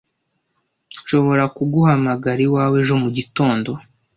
Nshobora kuguhamagara iwawe ejo mugitondo?